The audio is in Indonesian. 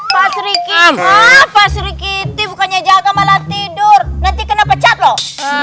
pasri pasri kiti bukannya jaga malah tidur nanti kena pecat loh